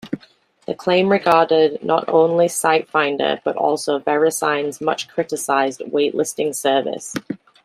The claim regarded not only Site Finder, but also VeriSign's much-criticised Wait Listing Service.